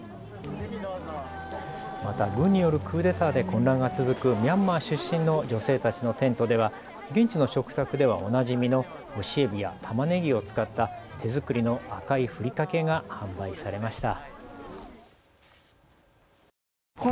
また軍によるクーデターで混乱が続くミャンマー出身の女性たちのテントでは現地の食卓ではおなじみの干しえびやたまねぎを使った手作りの赤いふりかけが販売されました。